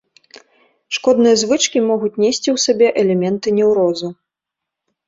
Шкодныя звычкі могуць несці ў сабе элементы неўрозу.